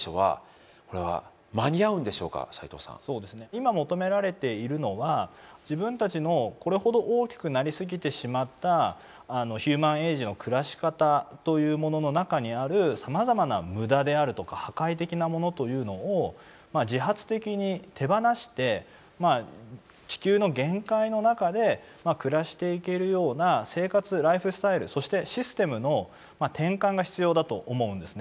今求められているのは自分たちのこれほど大きくなりすぎてしまったヒューマン・エイジの暮らし方というものの中にあるさまざまな無駄であるとか破壊的なものというのを自発的に手放して地球の限界の中で暮らしていけるような生活ライフスタイルそしてシステムの転換が必要だと思うんですね。